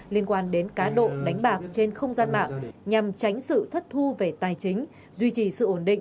liên quan đến cá độ đánh bạc trên không gian mạng nhằm tránh sự thất thu về tài chính duy trì sự ổn định về an ninh trở tự trên địa bàn